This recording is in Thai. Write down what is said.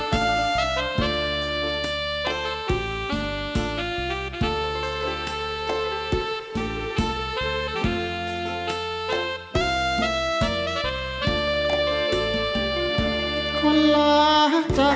เพลงที่๒เพลงมาครับ